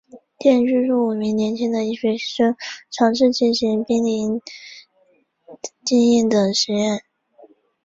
电影剧情叙述五名年轻的医学生尝试进行濒死经验的实验。